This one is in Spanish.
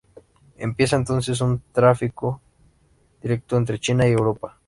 Empieza entonces un tráfico directo entre China y Europa.